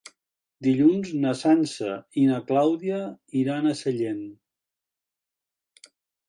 Dilluns na Sança i na Clàudia iran a Sellent.